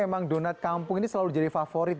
iya emang donat kampung ini selalu jadi favorit